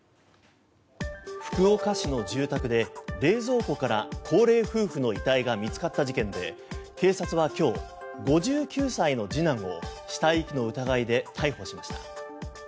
福岡市の住宅で冷蔵庫から高齢夫婦の遺体が見つかった事件で、警察は今日５９歳の次男を死体遺棄の疑いで逮捕しました。